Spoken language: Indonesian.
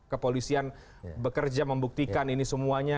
kepolisian bekerja membuktikan ini semuanya